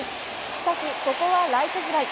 しかし、ここはライトフライ。